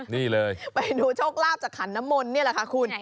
นี่เลยไปดูโชคลาภจากขันน้ำมนต์นี่แหละค่ะคุณ